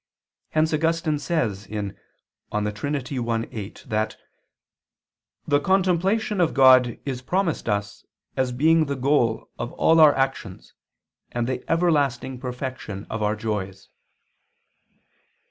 Hence Augustine says (De Trin. i, 8) that "the contemplation of God is promised us as being the goal of all our actions and the everlasting perfection of our joys."